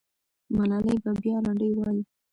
ملالۍ به بیا لنډۍ وایي.